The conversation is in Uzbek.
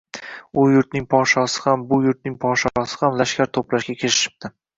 U yurtning podshosi ham, bu yurtning podshosi ham lashkar to‘plashga kirishibdi.